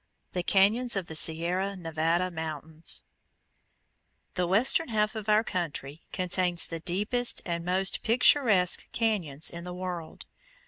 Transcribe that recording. THE CAÑONS OF THE SIERRA NEVADA MOUNTAINS The western half of our country contains the deepest and most picturesque cañons in the world.